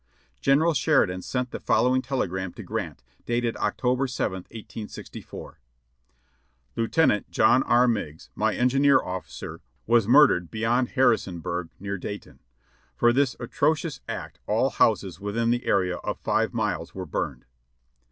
General Sheridan sent the following telegram to Grant, dated CJctober 7th, 1864. "Lieutenant John R. Meigs, my engineer of^cer, was mur dered beyond Harrisonburg near Dayton. For this atrocious act all houses within the area of five miles were burned."